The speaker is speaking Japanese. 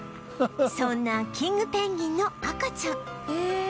そんなキングペンギンの赤ちゃんへえすごい。